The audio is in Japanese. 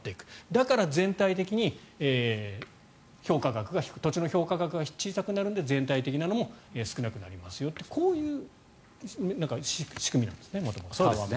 だから全体的に土地の評価額が小さくなるので全体的なものも少なくなるというこういう仕組みなんですね。